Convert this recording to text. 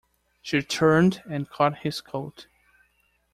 She turned and caught his coat.